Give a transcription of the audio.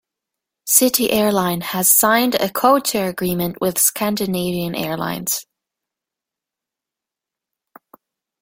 City Airline has signed a codeshare agreement with Scandinavian Airlines.